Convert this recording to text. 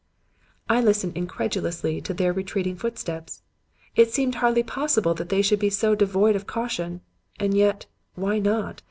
"I listened incredulously to their retreating footsteps. It seemed hardly possible that they should be so devoid of caution. And yet, why not?